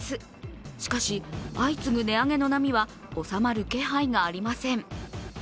しかし相次ぐ値上げの波はおさまる気配がありません。